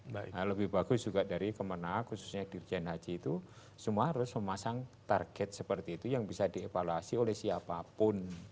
nah lebih bagus juga dari kemenang khususnya dirjen haji itu semua harus memasang target seperti itu yang bisa dievaluasi oleh siapapun